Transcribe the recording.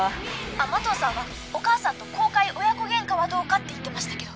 「あっ麻藤さんはお母さんと公開親子喧嘩はどうかって言ってましたけど」